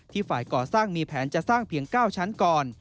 ฝ่ายก่อสร้างมีแผนจะสร้างเพียง๙ชั้นก่อน